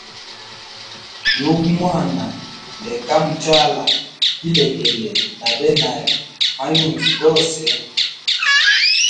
Yugu mwana ndeka muchala bilegele na benage ma yunzu gose.